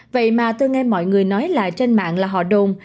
vậy mà tôi nghe mọi người nói là trên mạng là họ đồn